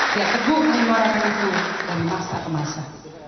dia teguh di luar negeri itu dari masa ke masa